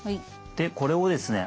でこれをですね